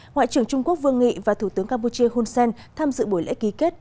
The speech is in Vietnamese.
ngoại trưởng trung quốc vương nghị và thủ tướng campuchia hun sen tham dự buổi lễ ký kết